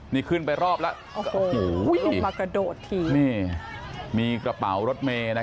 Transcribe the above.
นี่ก็เป็นคลิปคนขับรถเมย์